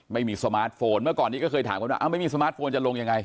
ไม่มีสมาร์ทโฟนเมื่อก่อนนี้ก็เคยถามกันว่าไม่มีสมาร์ทโฟนจะลงยังไง